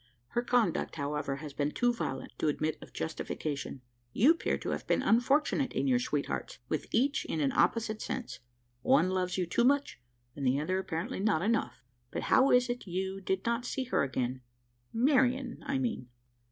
"Her conduct, however, has been too violent to admit of justification. You appear to have been unfortunate in your sweethearts with each in an opposite sense. One loves you too much, and the other apparently not enough! But how is it you did not see her again Marian I mean!"